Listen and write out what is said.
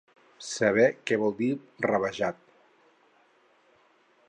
Saber què vol dir rabejat?